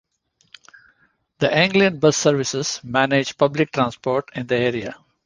The Anglian Bus services manage public transport in the area.